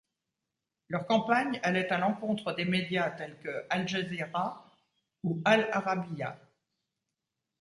Leur campagne allait à l’encontre des médias tels que Al Jazeera ou Al-Arabiya.